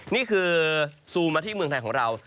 นี่คือซูมมาที่เมืองไทยของเรา